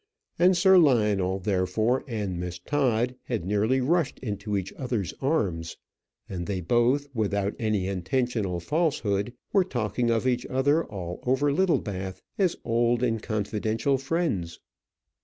And Sir Lionel, therefore, and Miss Todd had nearly rushed into each other's arms; and they both, without any intentional falsehood, were talking of each other all over Littlebath as old and confidential friends.